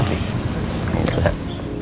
terima kasih pak